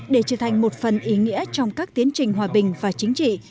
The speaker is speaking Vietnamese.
để trở thành một phần ý nghĩa trong các tiến trình hòa bình và chính trị